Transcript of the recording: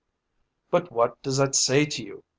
"But what does that say to you?